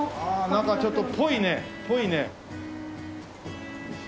なんかちょっとぽいねぽいね。